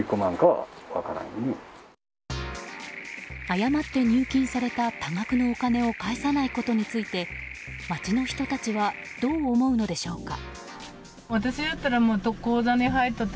誤って入金された多額のお金を返さないことについて町の人たちはどう思うのでしょうか。